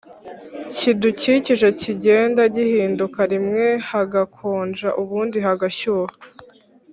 kidukikije kigenda gihinduka, rimwe hagakonja, ubundi hagashyuha,